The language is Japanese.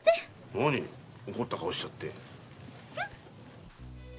何怒った顔しちゃって。